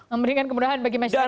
memberikan kemudahan bagi masyarakat